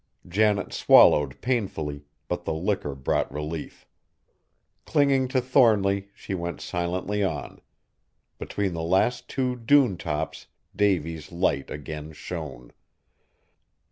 Janet swallowed painfully, but the liquor brought relief. Clinging to Thornly, she went silently on. Between the last two dune tops, Davy's Light again shone.